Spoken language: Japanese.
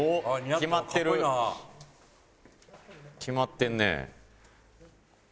決まってるねえ。